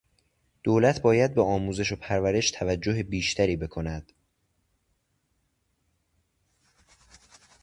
دولت باید به آموزش و پرورش توجه بیشتری بکند.